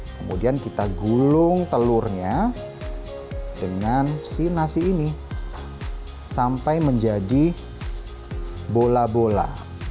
kemudian kita gulung telurnya dengan si nasi ini sampai menjadi bola bola